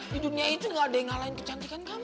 di dunia itu gak ada yang ngalahin kecantikan kamu